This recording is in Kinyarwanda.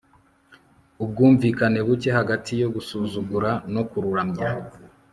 Ubwumvikane buke hagati yo gusuzugura no kuramya